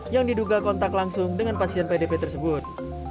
yang diduga kontak langsung dengan pasien pdp tersebut